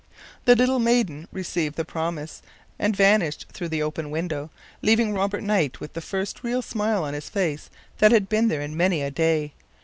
The little maiden received the promise and vanished through the open window, leaving Robert Knight with the first real smile on his face that had been there in many a day.